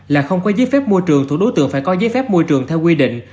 là không có giấy phép môi trường thuộc đối tượng phải có giấy phép môi trường theo quy định